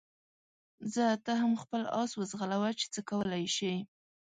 ځه ته هم خپل اس وځغلوه چې څه کولای شې.